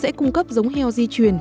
sẽ cung cấp giống heo di truyền